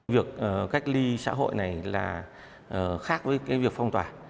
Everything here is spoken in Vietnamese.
việc cách ly xã hội này là khác với cái việc phong tỏa